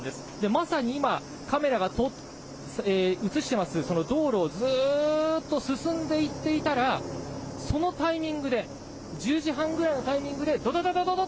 まさに今、カメラが映してます、その道路をずーっと進んでいっていたら、そのタイミングで、１０時半ぐらいのタイミングで、どどどど